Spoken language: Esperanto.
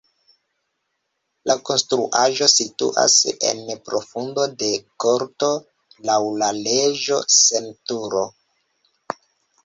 La konstruaĵo situas en profundo de korto, laŭ la leĝo sen turo.